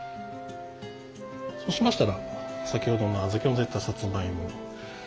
そうしましたら先ほどの小豆をのせたさつまいも。